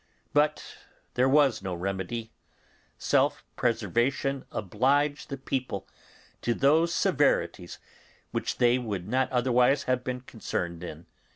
But there was no remedy; self preservation obliged the people to those severities which they would not otherwise have been concerned in.